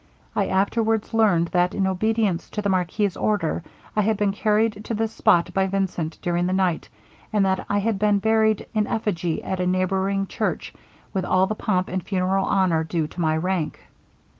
I afterwards learned, that in obedience to the marquis's order, I had been carried to this spot by Vincent during the night, and that I had been buried in effigy at a neighbouring church, with all the pomp of funeral honor due to my rank.'